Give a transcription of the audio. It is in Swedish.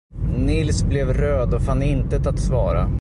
Nils blev röd och fann intet att svara.